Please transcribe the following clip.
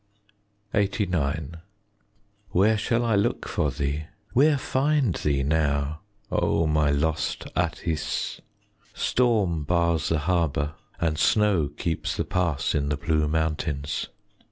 20 LXXXIX Where shall I look for thee, Where find thee now, O my lost Atthis? Storm bars the harbour, And snow keeps the pass 5 In the blue mountains.